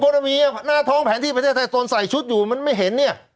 รมีหน้าท้องแผนที่ประเทศไทยตนใส่ชุดอยู่มันไม่เห็นเนี่ย